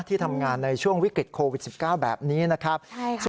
ที่ทำงานในช่วงวิกฤตโควิด๑๙แบบนี้นะครับ